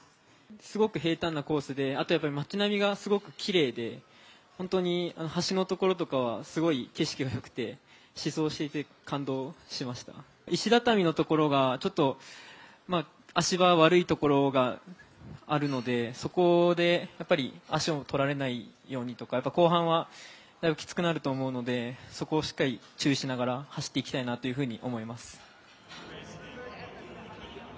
すごく平たんなコースで、あと町並みがすごくきれいで本当に橋のところとかすごく景色が良くて試走していて感動しました石畳のところが足場、悪いところがあるので、そこでやっぱり足を取られないようにとか後半はだいぶきつくなると思うのでそこをしっかり注意しながら走っていきたいなというふうに思います。